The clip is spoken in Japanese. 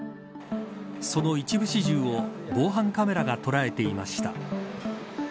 その一部始終を防犯カメラが捉えていました。